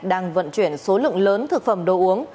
đang vận chuyển số lượng lớn thực phẩm đồ uống